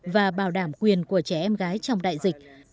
và bảo đảm quyền của trẻ em gái trong đại dịch